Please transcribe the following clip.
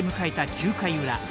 ９回裏。